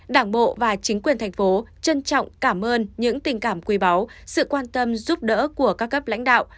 đảng bộ và chính quyền thành phố trân trọng cảm ơn những tình cảm quý báu sự quan tâm giúp đỡ của các cấp lãnh đạo